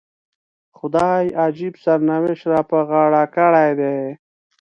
خدای عجیب سرنوشت را په غاړه کړی دی.